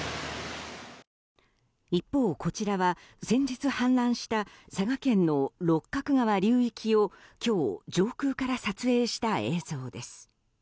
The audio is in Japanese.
一方、こちらは先日氾濫した佐賀県の六角川流域を今日、上空から撮影した映像です。